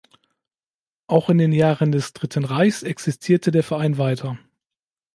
Auch in den Jahren des Dritten Reichs existierte der Verein weiter.